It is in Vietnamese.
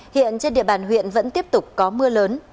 hiện trên địa bàn huyện vẫn tiếp tục có mưa lớn